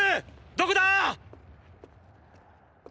どこだー